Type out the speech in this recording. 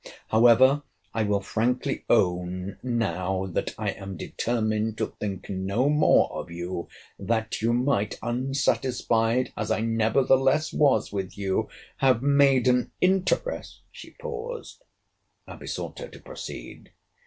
—However, I will frankly own, now that I am determined to think no more of you, that you might, (unsatisfied as I nevertheless was with you,) have made an interest— She paused. I besought her to proceed.